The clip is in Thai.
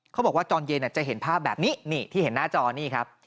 เขาบอกว่าช่วงเย็นอะจะเห็นภาพแบบนี้ที่เห็นหน้าจอนี่ครับ